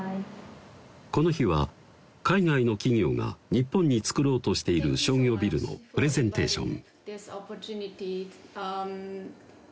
この日は海外の企業が日本に造ろうとしている商業ビルのプレゼンテーション